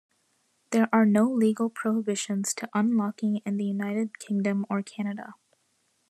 There are no legal prohibitions to unlocking in the United Kingdom or Canada.